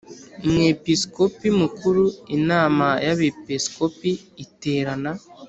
Umwepisikopi Mukuru Inama y Abepiskopi iterana